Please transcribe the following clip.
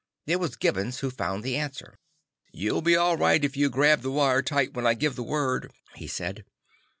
It was Gibbons who found the answer. "You'll be all right if all of you grab the wire tight when I give the word," he said.